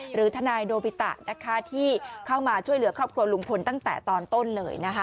หรือทนายโดบิตะนะคะที่เข้ามาช่วยเหลือครอบครัวลุงพลตั้งแต่ตอนต้นเลยนะคะ